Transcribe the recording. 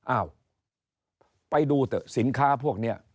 อ้าวไปดูเถอะสินค้าพวกนี้